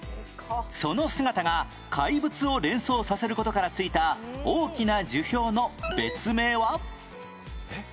その姿が怪物を連想させる事からついた大きな樹氷の別名は？えっ？